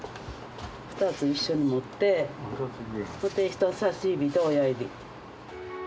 ２つ一緒に持ってそして人さし指と親指。